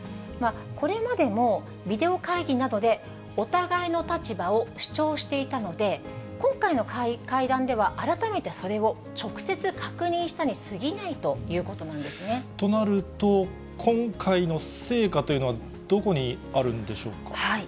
これまでもビデオ会議などでお互いの立場を主張していたので、今回の会談では改めてそれを直接確認したにすぎないということなとなると、今回の成果というのはどこにあるんでしょうか。